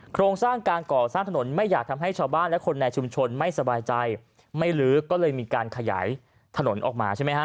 โครงสร้างการก่อสร้างถนนไม่อยากทำให้ชาวบ้านและคนในชุมชนไม่สบายใจไม่ลื้อก็เลยมีการขยายถนนออกมาใช่ไหมฮะ